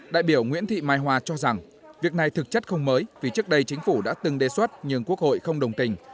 đại biểu nguyễn thị mai hòa cho rằng việc này thực chất không mới vì trước đây chính phủ đã từng đề xuất nhưng quốc hội không đồng tình